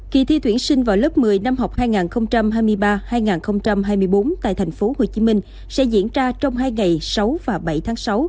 kỳ thi tuyển sinh vào lớp một mươi năm học hai nghìn hai mươi ba hai nghìn hai mươi bốn tại tp hcm sẽ diễn ra trong hai ngày sáu và bảy tháng sáu